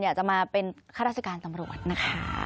อยากจะมาเป็นข้าราชการตำรวจนะคะ